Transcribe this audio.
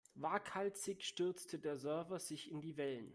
Waghalsig stürzte der Surfer sich in die Wellen.